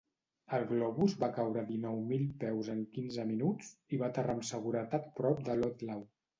El globus va caure dinou mil peus en quinze minuts, i va aterrar amb seguretat prop de Ludlow.